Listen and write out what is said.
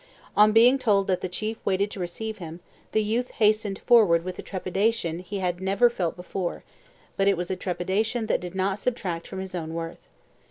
On being told that the chief waited to receive him, the youth hastened forward with a trepidation he had never felt before; but it was a trepidation that did not subtract from his own worth.